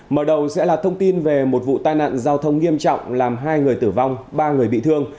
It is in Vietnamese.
mở đầu sẽ là thông tin về một vụ tai nạn giao thông nghiêm trọng làm hai người tử vong ba người bị thương